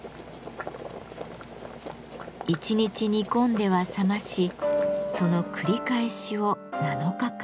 １日煮込んでは冷ましその繰り返しを７日間。